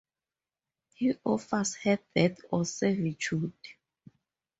He offers her death or servitude.